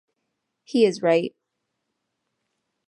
He is right.